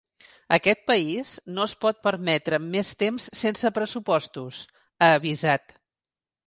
Aquest país no es pot permetre més temps sense pressupostos, ha avisat.